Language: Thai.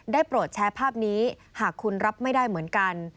โปรดแชร์ภาพนี้หากคุณรับไม่ได้เหมือนกัน